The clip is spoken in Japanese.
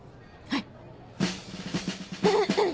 はい。